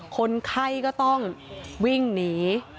คนไข้ก็ต้องวิ่งหนี